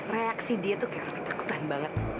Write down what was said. reaksi dia tuh kayak ketakutan banget